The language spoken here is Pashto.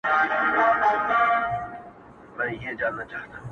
په روغتون کي شل پنځه ویشت شپې دېره سو!